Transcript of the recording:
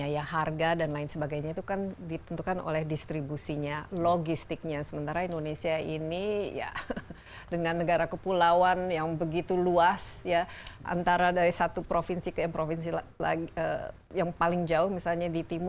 jangan kemana mana dulu inside with desi anwar akan segera kembali